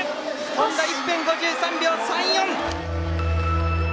本多１分５３秒３４。